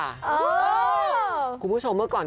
คุณผู้ชมเมื่อก่อน